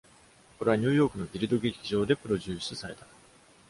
これはニューヨークのギルド劇場でプロデュースされた。